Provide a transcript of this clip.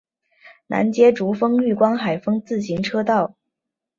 南接竹风绿光海风自行车道。